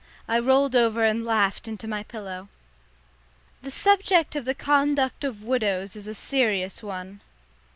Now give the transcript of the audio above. I rolled over and laughed into my pillow. The subject of the conduct of widows is a serious one.